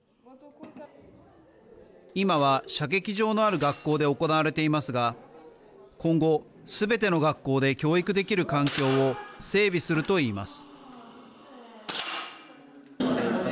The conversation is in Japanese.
今は射撃場のある学校で行われていますが今後、すべての学校で教育できる環境を整備すると言います。